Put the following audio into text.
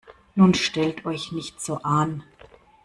Nun stellt euch nicht so an!